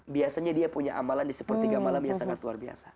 biasanya dia punya amalan di sepuluh tiga malam ya sangat luar biasa